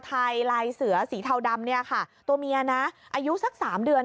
ลายเสือสีเทาดำเนี่ยค่ะตัวเมียนะอายุสักสามเดือน